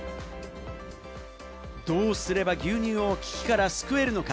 どうすれば牛乳を危機から救えるのか？